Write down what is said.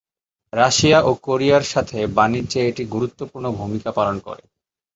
Russia ও কোরিয়ার সাথে বাণিজ্যে এটি গুরুত্বপূর্ণ ভূমিকা পালন করে।